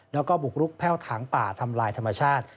แล้วก็บุกรุกแพ่วถังป่าทำลายธรรมชาติ